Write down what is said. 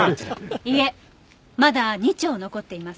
いえまだ２丁残っています。